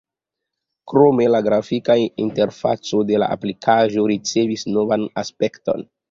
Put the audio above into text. Krome la grafika interfaco de la aplikaĵo ricevis novan aspekton.